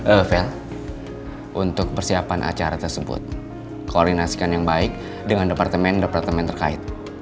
evel untuk persiapan acara tersebut koordinasikan yang baik dengan departemen departemen terkait